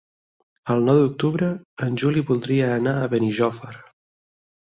El nou d'octubre en Juli voldria anar a Benijòfar.